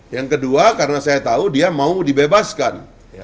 yang kedua karena saya tahu dia mau dibebaskan